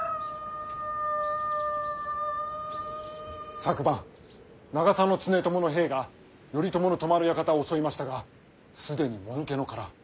昨晩長狭常伴の兵が頼朝の泊まる館を襲いましたが既にもぬけの殻。